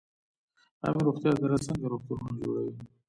عامې روغتیا وزارت څنګه روغتونونه جوړوي؟